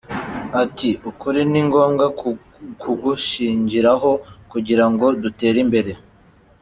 Ati “Ukuri ni ngombwa kugushingiraho kugira ngo dutere imbere.